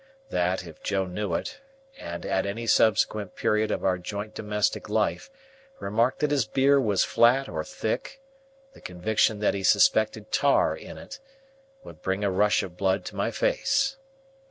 That, if Joe knew it, and at any subsequent period of our joint domestic life remarked that his beer was flat or thick, the conviction that he suspected tar in it, would bring a rush of blood to my face.